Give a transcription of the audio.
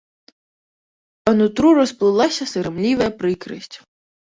Па нутру расплылася сарамлівая прыкрасць.